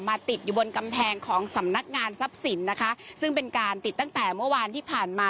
ติดอยู่บนกำแพงของสำนักงานทรัพย์สินนะคะซึ่งเป็นการติดตั้งแต่เมื่อวานที่ผ่านมา